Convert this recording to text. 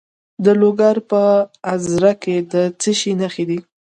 د لوګر په ازره کې د څه شي نښې دي؟